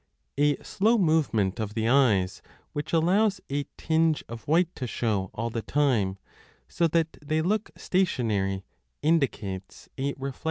A slow movement of the eyes which allows a tinge of white to show all the time, so that they look stationary, 11 indicates a reflective character ; 1 Si3 a 7.